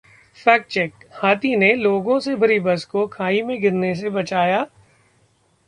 Fact check: हाथी ने लोगों से भरी बस को खाई में गिरने से बचाया?